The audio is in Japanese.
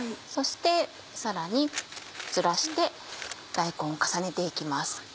そしてさらにずらして大根を重ねて行きます。